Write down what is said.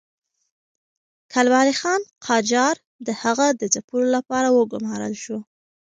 کلب علي خان قاجار د هغه د ځپلو لپاره وګمارل شو.